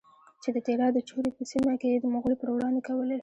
چې د تیرا د چورې په سیمه کې یې د مغولو پروړاندې کولې؛